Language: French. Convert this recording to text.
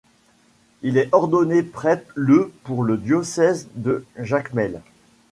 Il est ordonné prêtre le pour le diocèse de Jacmel.